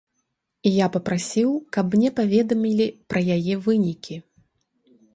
Я папрасіў, каб мне паведамілі пра яе вынікі.